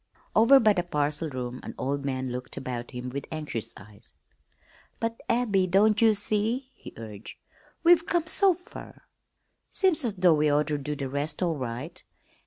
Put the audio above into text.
Over by the parcel room an old man looked about him with anxious eyes. "But, Abby, don't ye see?" he urged. "We've come so fer, seems as though we oughter do the rest all right.